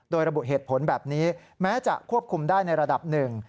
โดยระบุเหตุผลแบบนี้แม้จะควบคุมได้ในระดับหนึ่ง